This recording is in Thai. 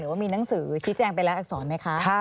หรือว่ามีหนังสือชี้แจงไปและอักษรไหมคะ